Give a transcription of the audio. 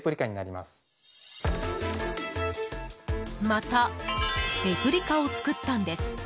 また、レプリカを作ったんです。